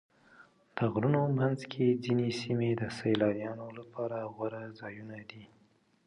د غرونو منځ کې ځینې سیمې د سیلانیانو لپاره غوره ځایونه دي.